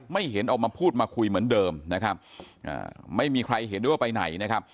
ไม่เห็นออกมาพูดมาคุยเหมือนเดิมนะครับไม่มีใครเห็นด้วยว่าไปไหนนะครับ